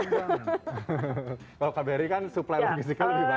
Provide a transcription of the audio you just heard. kalau kbri kan supply logistical lebih banyak